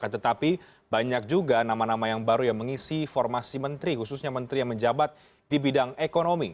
tetapi banyak juga nama nama yang baru yang mengisi formasi menteri khususnya menteri yang menjabat di bidang ekonomi